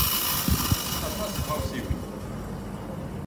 Nessen aṭas n tɣawsiwin.